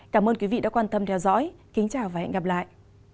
cảm ơn quý vị đã quan tâm theo dõi kính chào và hẹn gặp lại